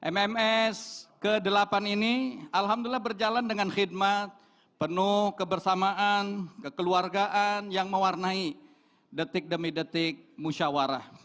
mms ke delapan ini alhamdulillah berjalan dengan khidmat penuh kebersamaan kekeluargaan yang mewarnai detik demi detik musyawarah